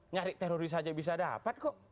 nyari teroris saja bisa dapat kok